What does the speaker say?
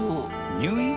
入院？